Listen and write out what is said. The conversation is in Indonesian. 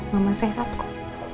mama sehat kok